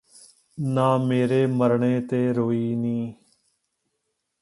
ਨਾ ਮੇਰੇ ਮਰਣੇ ਤੇ ਰੋਈ ਨੀਂ